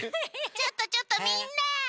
ちょっとちょっとみんな！